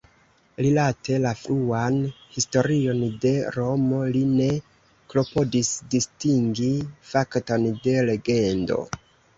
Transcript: Rilate la fruan historion de Romo, li ne klopodis distingi fakton de legendo.